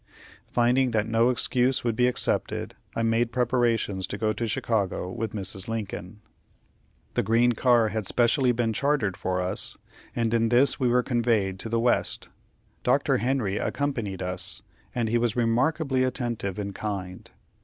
Finding that no excuse would be accepted, I made preparations to go to Chicago with Mrs. L. The green car had specially been chartered for us, and in this we were conveyed to the West. Dr. Henry accompanied us, and he was remarkably attentive and kind.